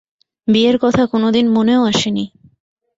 বিয়ের কথা কোনোদিন মনেও আসে নি।